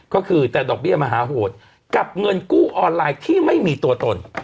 ก็คือแต่ดอกเบี้ยมหาโหดกับเงินกู้ออนไลน์ที่ไม่มีตัวตน